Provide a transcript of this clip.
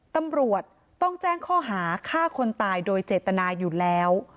ตำรวจต้องแจ้งข้อหาฆ่าคนตายโดยเจตนาอยู่แล้ว